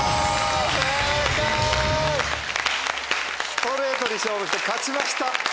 ストレートに勝負して勝ちました！